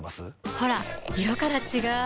ほら色から違う！